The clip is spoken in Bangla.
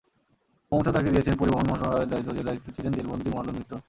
মমতা তাঁকে দিয়েছেন পরিবহন মন্ত্রণালয়ের দায়িত্ব, যে-দায়িত্বে ছিলেন জেলবন্দী মদন মিত্র।